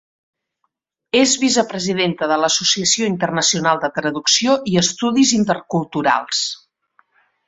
És vicepresidenta de l'Associació Internacional de Traducció i Estudis Interculturals.